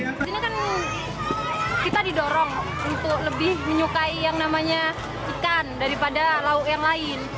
di sini kan kita didorong untuk lebih menyukai yang namanya ikan daripada lauk yang lain